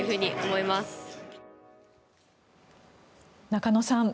中野さん